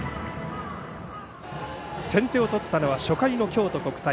先手を取ったのは初回の京都国際。